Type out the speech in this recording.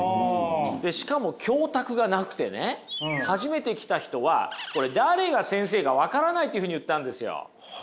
でしかも教卓がなくてね初めて来た人はこれ「誰が先生かわからない」っていうふうに言ったんですよ。